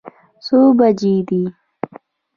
څو بجې دي.